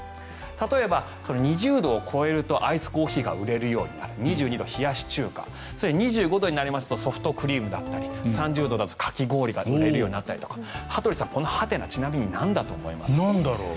例えば、２０度を超えるとアイスコーヒーが売れるようになる２２度、冷やし中華２５度になりますとソフトクリームだったり３０度だとかき氷が売れるようになったりとか羽鳥さん、このはてなちなみになんだと思いますかなんだろう。